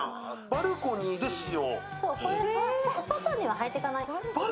バルコニーで使用。